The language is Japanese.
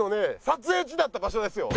撮影地だった場所ですよ。